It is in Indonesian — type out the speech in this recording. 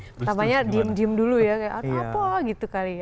pertamanya diem diem dulu ya kayak apa gitu kali ya